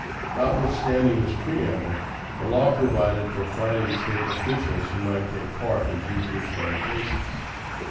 Notwithstanding this preamble, the law provided for fining State officials who might take part in fugitive slave cases.